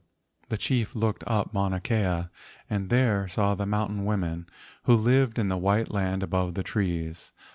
The chief looked up Mauna Kea and there saw the mountain women, who lived in the white land above the trees.